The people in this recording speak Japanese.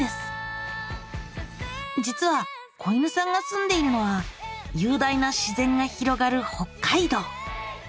実は子犬さんが住んでいるのはゆう大な自然が広がる北海道。